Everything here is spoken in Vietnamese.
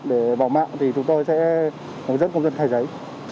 để vào mạng thì chúng tôi sẽ hướng dẫn công dân khai giấy